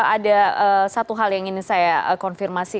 ada satu hal yang ingin saya konfirmasi